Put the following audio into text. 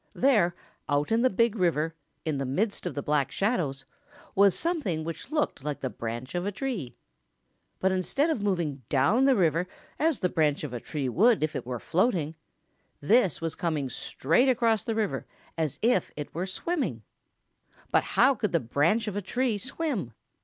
There, out in the Big River, in the midst of the Black Shadows, was something which looked like the branch of a tree. But instead of moving down the river, as the branch of a tree would if it were floating, this was coming straight across the river as if it were swimming. But how could the branch of a tree swim?